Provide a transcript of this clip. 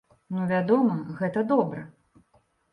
Ну, вядома, гэта добра.